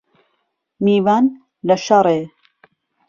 میوان له شەڕێ